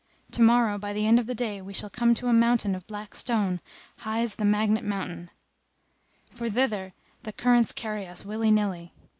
Tomorrow by the end of the day we shall come to a mountain of black stone, hight the Magnet Mountain;[FN#257] for thither the currents carry us willy nilly.